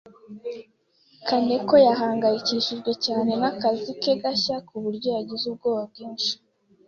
Kaneko yahangayikishijwe cyane n'akazi ke gashya ku buryo yagize ubwoba bwinshi.